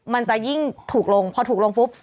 มันจะยิ่งถูกลงพอถูกลงปุ๊บ